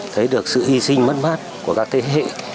thấy được sự hy sinh mất mát của các thế hệ